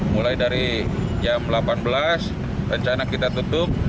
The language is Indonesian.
mulai dari jam delapan belas rencana kita tutup